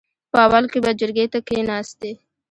په اول کې به جرګې ته نه کېناستې .